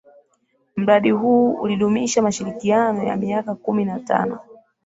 Mradi huu ulidumisha mashirikiano ya miaka kumi na tano.